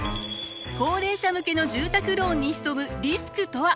高齢者向けの住宅ローンに潜むリスクとは？